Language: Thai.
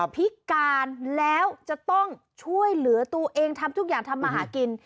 พิการแล้วจะต้องช่วยเหลือตัวเองทำทุกอย่างทำมาหากิน